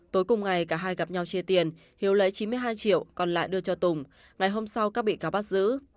tối cùng ngày cả hai gặp nhau chia tiền hiếu lấy chín mươi hai triệu còn lại đưa cho tùng ngày hôm sau các bị cáo bắt giữ